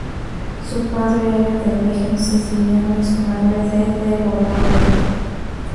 Su padre era de origen siciliano y su madre de de Bolonia.